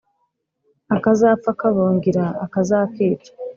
Akazapfa kabungira akazakica